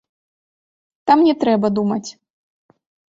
Там не трэба думаць.